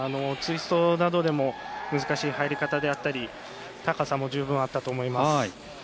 ツイストなどでも難しい入り方であったり高さも十分、あったと思います。